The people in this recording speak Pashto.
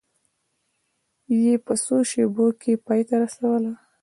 یې په څو شېبو کې پای ته رسوله.